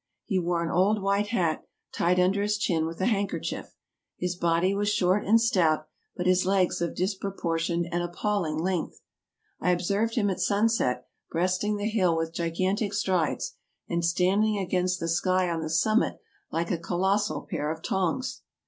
He wore an old white hat, tied under his chin with a handkerchief; his body was short and stout, but his legs of disproportioned and appalling length. I observed him at sunset, breasting the hill with gigantic strides, and standing against the sky on the summit like a colossal pair of tongs.